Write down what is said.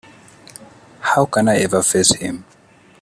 How can I ever face him?